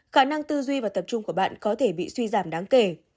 khả năng tư duy và tập trung của bạn có thể bị suy giảm đáng kể